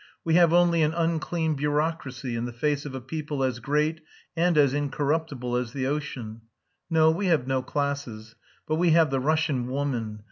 We have only an unclean bureaucracy in the face of a people as great and as incorruptible as the ocean. No, we have no classes. But we have the Russian woman.